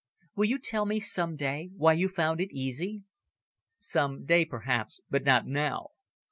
"Will you tell me, some day, why you found it easy?" "Some day, perhaps; but not now.